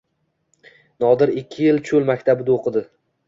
Nodir ikki yil cho‘l maktabida o‘qidi.